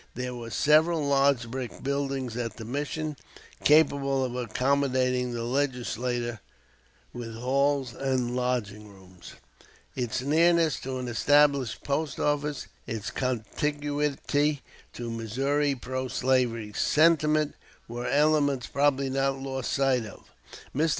There were several large brick buildings at the Mission capable of accommodating the Legislature with halls and lodging rooms; its nearness to an established post office, and its contiguity to Missouri pro slavery sentiment were elements probably not lost sight of. Mr.